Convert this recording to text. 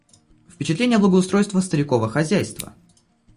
Впечатление благоустройства старикова хозяйства.